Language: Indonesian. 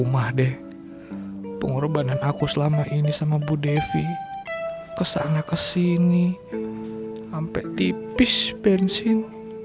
rumah deh pengorbanan aku selama ini sama bu devi kesana kesini sampai tipis bensin